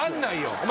お前